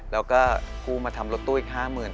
แล้วก็กู้มาทำรถตู้อีก๕๐๐๐